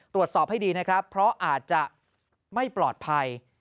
ตรวจสอบให้ดีนะครับเพราะอาจจะไม่ปลอดภัย